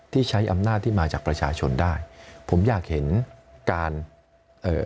ที่ใช้อำนาจที่มาจากประชาชนได้ผมอยากเห็นการเอ่อ